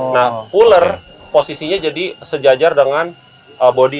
nah puller posisinya jadi sejajar dengan body